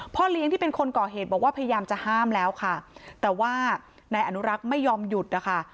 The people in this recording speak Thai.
เลี้ยงที่เป็นคนก่อเหตุบอกว่าพยายามจะห้ามแล้วค่ะแต่ว่านายอนุรักษ์ไม่ยอมหยุดนะคะ